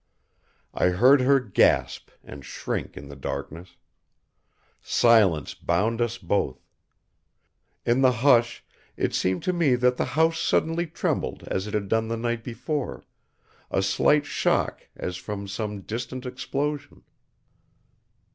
I heard her gasp and shrink in the darkness. Silence bound us both. In the hush, it seemed to me that the house suddenly trembled as it had done the night before, a slight shock as from some distant explosion.